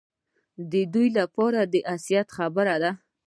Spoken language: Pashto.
دا د دوی لپاره د حیثیت خبره وه.